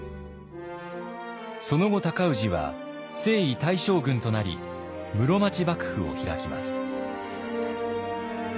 その後尊氏は征夷大将軍となり室町幕府を開きます。